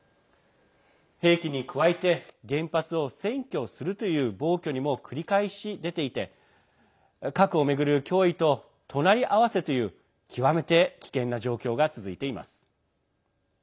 兵器に加えて原発を占拠するという暴挙にも繰り返し出ていて核を巡る脅威と隣り合わせという極めて危険な状況が続いています。